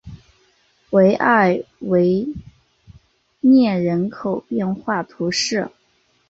维埃维涅人口变化图示